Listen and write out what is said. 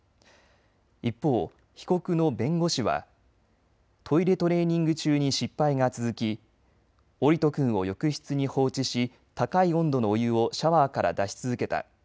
一方、被告の弁護士はトイレトレーニング中に失敗が続き桜利斗君を浴室に放置し高い温度のお湯をシャワーから出し続けた。